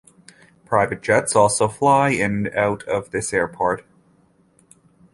Private jets also fly in and out of this airport.